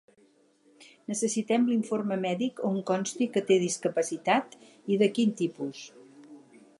Necessitem l'informe mèdic on consti que té discapacitat i de quin tipus.